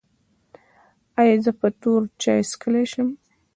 ایا زه تور چای څښلی شم؟